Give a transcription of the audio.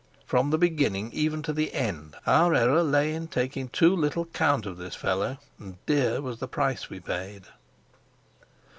From the beginning even to the end our error lay in taking too little count of this fellow, and dear was the price we paid.